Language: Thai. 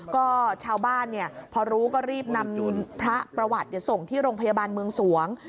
ก็ชาวบ้านพอรู้ก็รีบนำพระประวัติส่งที่โรงพยาบาลเมืองสวง